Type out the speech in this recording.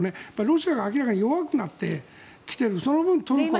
ロシアが明らかに弱くなってきているその分トルコ。